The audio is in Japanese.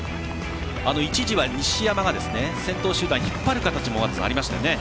一時は西山が先頭集団引っ張る形もありましたよね。